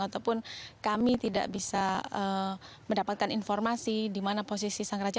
ataupun kami tidak bisa mendapatkan informasi di mana posisi sang raja